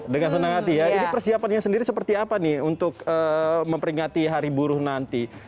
dengan senang hati ya ini persiapannya sendiri seperti apa nih untuk memperingati hari buruh nanti